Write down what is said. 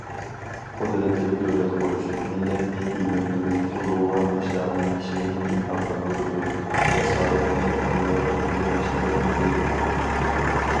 قۇدرەتلىك دۆلەت قۇرۇش، مىللەتنى گۈللەندۈرۈش ئۇلۇغۋار نىشانى كىشىنى ئىلھاملاندۇرىدۇ، جاسارەت بىلەن ئالغا ئىلگىرىلەشكە ئۈندەيدۇ.